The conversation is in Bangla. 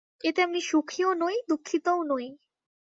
এতে আমি সুখীও নই, দুঃখিতও নই।